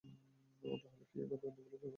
তাহলে কেউ, এই বাদে অন্যগুলো কেন নিবে?